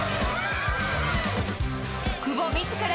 久保みずから